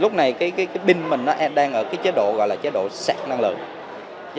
lúc này cái pin mình nó đang ở cái chế độ gọi là chế độ sạch năng lượng